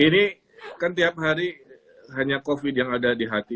ini kan tiap hari hanya covid yang ada di hati